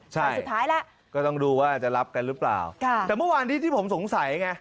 ใช่สุดท้ายแล้วก็ต้องดูว่าจะรับกันหรือเปล่าค่ะแต่เมื่อวานที่ผมสงสัยไง